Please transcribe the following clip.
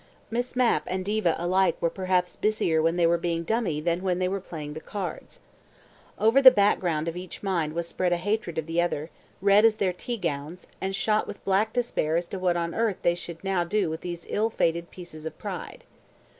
Miss Mapp and Diva alike were perhaps busier when they were being dummy than when they were playing the cards. Over the background of each mind was spread a hatred of the other, red as their tea gowns, and shot with black despair as to what on earth they should do now with those ill fated pieces of pride.